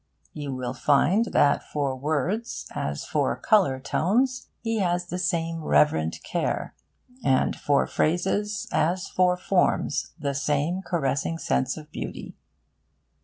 You will find that for words as for colour tones he has the same reverent care, and for phrases as for forms the same caressing sense of beauty.